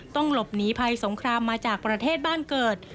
ต้องหลบหนีภัยสงครามมาจากประเทศบ้านเกิด